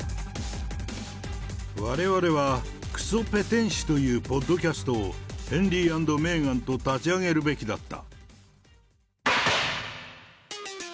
われわれはくそペテン師というポッドキャストを、ヘンリー＆メーガンと立ち上げるべきだった。